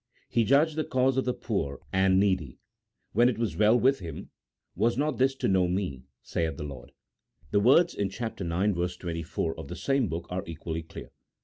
He judged the cause of the poor and needy ; then it was well with him : was not this to know Me ? saith the Lord." The words in chap. ix. 24 of the same book are equally clear.